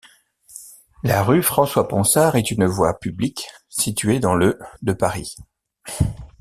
La rue François-Ponsard est une voie publique située dans le de Paris.